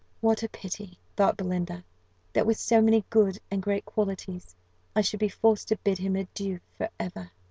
"What a pity," thought Belinda, "that with so many good and great qualities, I should be forced to bid him adieu for ever!"